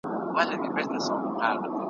ستونی د شپېلۍ به نغمه نه لري ,